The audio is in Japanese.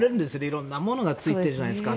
色んなものがついているじゃないですか